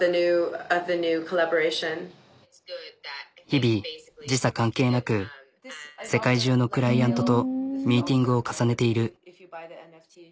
日々時差関係なく世界中のクライアントとミーティングを重ねている。